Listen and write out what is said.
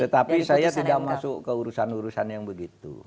tetapi saya tidak masuk ke urusan urusan yang begitu